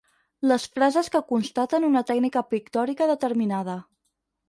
Les frases que constaten una tècnica pictòrica determinada.